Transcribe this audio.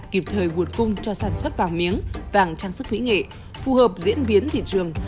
kịp thời nguồn cung cho sản xuất vàng miếng vàng trang sức mỹ nghệ phù hợp diễn biến thị trường